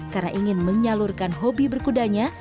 karena ingin menyalurkan hobi berkudanya